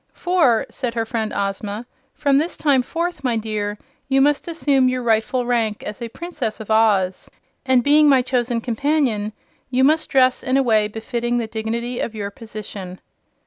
"For," said her friend Ozma, "from this time forth, my dear, you must assume your rightful rank as a Princess of Oz, and being my chosen companion you must dress in a way befitting the dignity of your position."